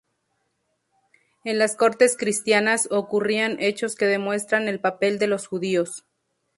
En las cortes cristianas, ocurrían hechos que demuestran el papel de los judíos.